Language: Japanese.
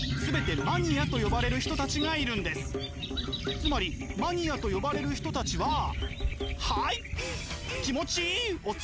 つまりマニアと呼ばれる人たちははあい！